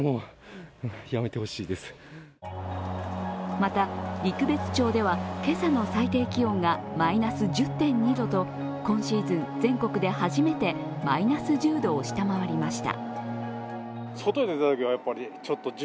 また、陸別町では今朝の最低気温がマイナス１０．２度と今シーズン全国で初めてマイナス１０度を下回りました。